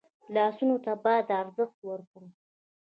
لاسونه ته باید ارزښت ورکړو